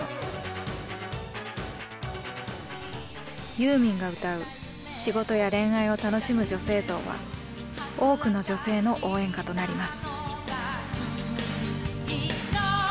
ユーミンが歌う仕事や恋愛を楽しむ女性像は多くの女性の応援歌となります。